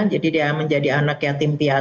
jadi dia menjadi anak yatim pihaknya